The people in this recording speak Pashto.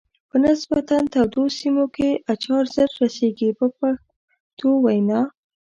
په نسبتا تودو سیمو کې اچار زر رسیږي په پښتو وینا.